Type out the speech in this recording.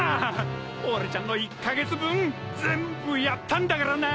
俺ちゃんの１カ月分全部やったんだからな！？